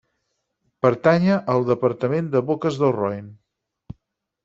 Pertanya al departament de Boques del Roine.